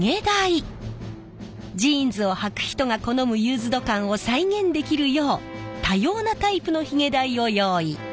ジーンズをはく人が好むユーズド感を再現できるよう多様なタイプのヒゲ台を用意。